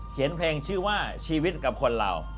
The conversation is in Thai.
เขียนเพลงชื่อว่าชีวิตกับคนเหล่า